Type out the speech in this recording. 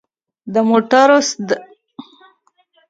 د موټرو د سرعت کچه د لارښود سره سم وساتئ.